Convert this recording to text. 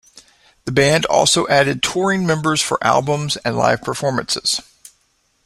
The band also added touring members for albums and live performances.